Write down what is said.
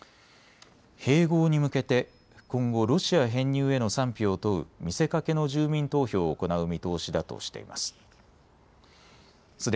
併合に向けて今後、ロシア編入への賛否を問う見せかけの住民投票を行う見通しだとしています。